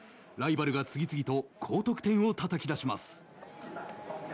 ライバルが次々と高得点をたたき出します。